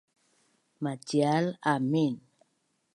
Macial amin